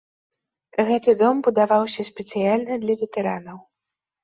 Гэты дом будаваўся спецыяльна для ветэранаў.